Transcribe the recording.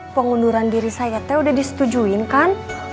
pengunduran diri saya teh udah disetujuin kan